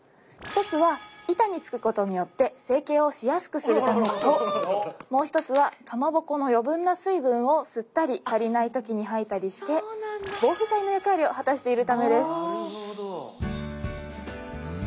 １つは板につくことによって成形をしやすくするためともう１つはかまぼこの余分な水分を吸ったり足りない時に吐いたりして防腐剤の役割を果たしているためです。